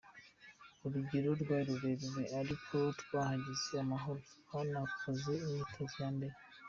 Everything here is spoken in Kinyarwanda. “Urugendo rwari rurerure ariko twahageze amahoro twanakoze imyitozo ya mbere.